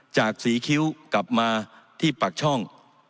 จากศรีคิ้วกลับมาที่ปากช่อง